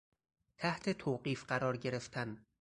تحت توقیف قرار گرفتن